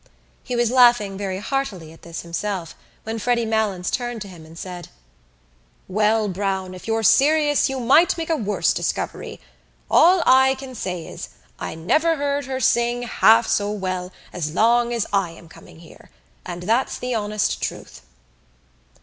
He was laughing very heartily at this himself when Freddy Malins turned to him and said: "Well, Browne, if you're serious you might make a worse discovery. All I can say is I never heard her sing half so well as long as I am coming here. And that's the honest truth."